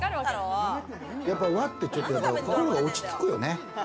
やっぱり和ってちょっと心が落ち着くよね。